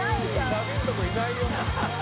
サビのところいないよ。